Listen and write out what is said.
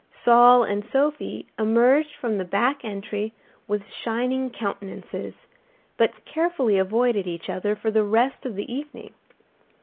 Saul and Sophie emerged from the back entry with shining countenances, but carefully avoided each other for the rest of the evening.